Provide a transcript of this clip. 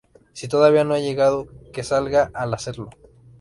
Si todavía no ha llegado, que salga al hacerlo.